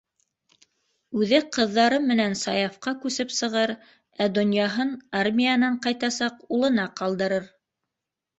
Үҙе ҡыҙҙары менән Саяфҡа күсеп сығыр, ә донъяһын армиянан ҡайтасаҡ улына ҡалдырыр.